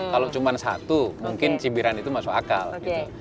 kalau cuma satu mungkin cibiran itu masuk akal gitu